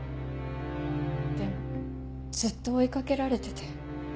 でもずっと追いかけられてて。